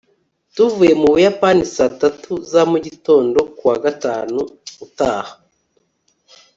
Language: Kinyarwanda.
tuvuye mu buyapani saa tatu za mugitondo. kuwa gatanu utaha